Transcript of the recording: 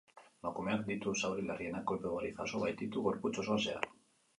Emakumeak ditu zauri larrienak, kolpe ugari jaso baititu gorputz osoan zehar.